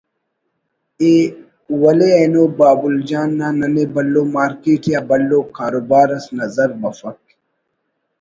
ءِ) ولے اینو بابل جان نا ننے بھلو مارکیٹ یا بھلو کاروبار اس نظر بفک